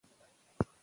زموږ هوډ فولادي دی.